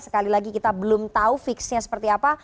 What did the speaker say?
sekali lagi kita belum tahu fixnya seperti apa